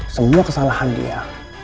semua kesalahan dia